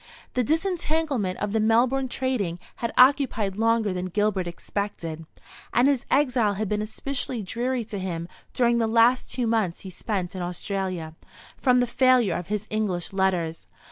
The disentanglement of the Melbourne trading had occupied longer than Gilbert expected; and his exile had been especially dreary to him during the last two months he spent in Australia, from the failure of his English letters.